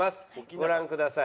ご覧ください。